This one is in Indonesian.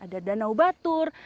ada danau batur